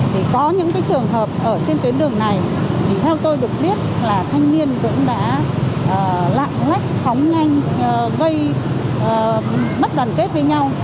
thì có những trường hợp ở trên tuyến đường này thì theo tôi được biết là thanh niên cũng đã lạng lách phóng nhanh gây mất đoàn kết với nhau